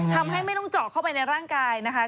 ทำให้ไม่ต้องเจาะเข้าไปในร่างกายนะคะ